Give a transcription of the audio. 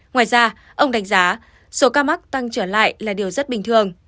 ngoài ra ông đánh giá số ca mắc tăng trở lại là điều rất bình thường